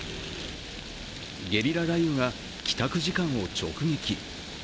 ゲリラ雷雨が帰宅時間を直撃。